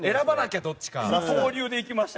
二刀流で行きました。